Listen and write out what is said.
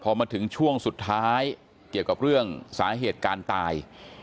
พอมาถึงช่วงสุดท้ายเกี่ยวกับเรื่องสาเหตุการตาย